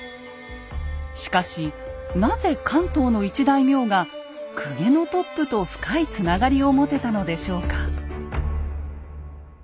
しかしなぜ関東の一大名が公家のトップと深いつながりを持てたのでしょうか。